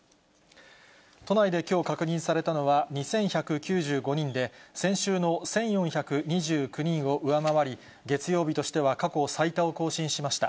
都内できょう確認されたのは、２１９５人で、先週の１４２９人を上回り、月曜日としては過去最多を更新しました。